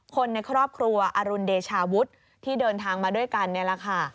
คนในครอบครัวอรุณเดชาวุฒิที่เดินทางมาด้วยกัน